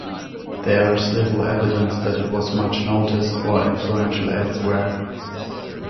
There is little evidence that it was much noticed or influential elsewhere.